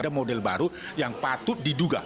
ada model baru yang patut diduga